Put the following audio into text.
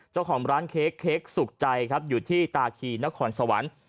เจ้าของร้านเค้กเค้กสุขใจครับอยู่ที่ตาคีนครสวรรค์